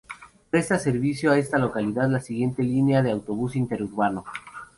Presta servicio a esta localidad la siguiente línea de autobús interurbano.